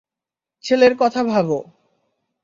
ছেলের কথা ভাবো।